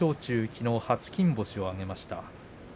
きのうは初金星を挙げました。